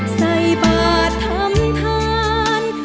ใส่บาททำทาน